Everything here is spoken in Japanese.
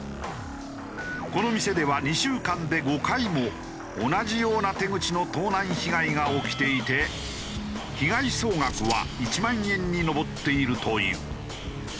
この店では２週間で５回も同じような手口の盗難被害が起きていて被害総額は１万円に上っているという。